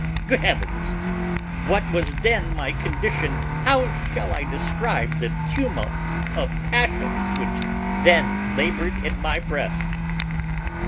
Good heavens! what was then my condition! How shall I describe the tumult of passions which then laboured in my breast?